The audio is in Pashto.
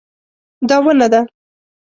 دا ونه ده